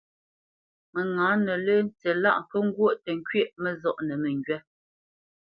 Məŋǎnə lə́ tsí lá nkə́ ŋgwó tə nkywɛ̂ʼ məzɔʼnə məŋgywâ.